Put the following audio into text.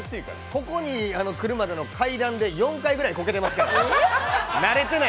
ここに来るまでの階段で４階くらいこけてますから。